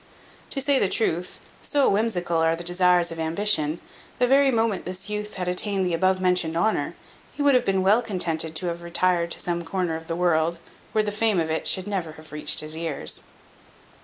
To say the truth, so whimsical are the desires of ambition, the very moment this youth had attained the above mentioned honour, he would have been well contented to have retired to some corner of the world, where the fame of it should never have reached his ears.